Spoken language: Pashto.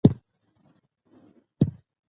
زه له رښتینو خلکو سره ملګرتیا کوم.